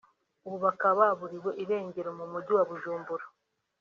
ubu bakaba baburiwe irengero mu mujyi wa Bujumbura